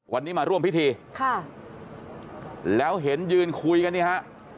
วันนี้มาร่วมพิธีค่ะแล้วเห็นยืนคุยกันนี่ฮะ